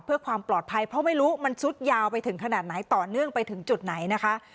เพื่อความปลอดภัยเพราะไม่รู้มันซุดยาวไปถึงขนาดไหนต่อเนื่องไปถึงจุดไหนนะคะ